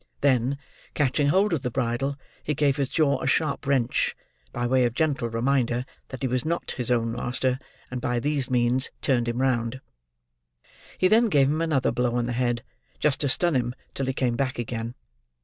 Then, catching hold of the bridle, he gave his jaw a sharp wrench, by way of gentle reminder that he was not his own master; and by these means turned him round. He then gave him another blow on the head, just to stun him till he came back again.